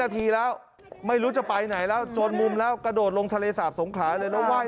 กระโดดลงทะเลสาบสงขาเลย